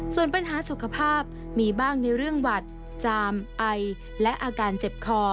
ส่วนปัญหาสุขภาพมีบ้างในเรื่องหวัดจามไอและอาการเจ็บคอ